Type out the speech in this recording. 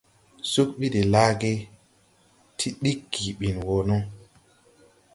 Sug ɓi de laage, ti ɗiggi ɓin wɔ no.